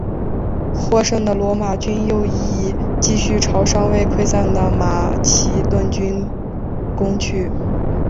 获胜的罗马军右翼继续朝尚未溃散的马其顿军攻去。